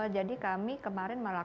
jadi kami kemarin melakukan